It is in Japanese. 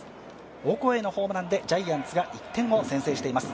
オコエのホームランでジャイアンツが１点を先制しています。